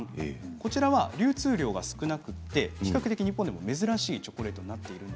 こちらは流通量が少なくて比較的日本では珍しいチョコレートです。